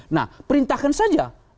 nah perintahkan saja